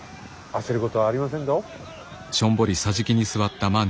焦ることはありませんぞ。